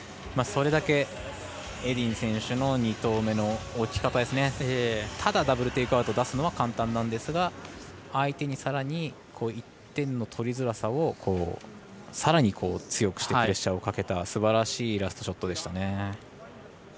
それだけエディン選手の２投目の置き方ただダブル・テイクアウトをとるのは簡単なんですが相手にさらに１点の取りづらさをさらに強くしてプレッシャーをかけたすばらしいラストショットでした。